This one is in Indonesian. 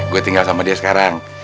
gue tinggal sama dia sekarang